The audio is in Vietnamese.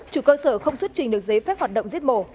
chủ cơ sở không xuất trình được giấy phép hoạt động giết mổ